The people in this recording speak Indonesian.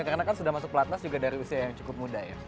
karena kan sudah masuk pelat nas juga dari usia yang cukup muda ya